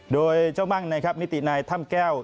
โดยเจ้าบ้างในนิตินายถ้ำแก้ว